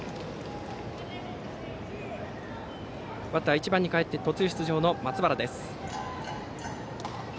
バッターは１番にかえって途中出場の松原。